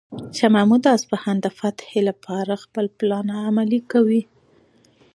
شاه محمود د اصفهان د فتح لپاره خپل پلان عملي کوي.